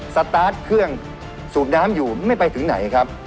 สตาร์ทเครื่องสูบน้ำอยู่ไม่ไปถึงไหนครับ